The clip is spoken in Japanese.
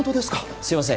すみません